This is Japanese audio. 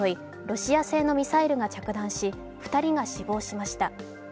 ロシア製のミサイルが着弾し２人が死亡しました。